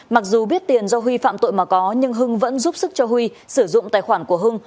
mặc dù biết tiền do huy phạm tội mà có nhưng hưng vẫn giúp sức cho huy sử dụng tài khoản của hưng